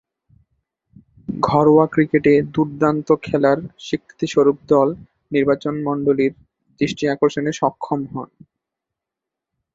ঘরোয়া ক্রিকেটে দূর্দান্ত খেলার স্বীকৃতিস্বরূপ দল নির্বাচকমণ্ডলীর দৃষ্টি আকর্ষণে সক্ষম হন।